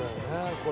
これ」